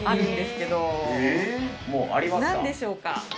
何でしょうか？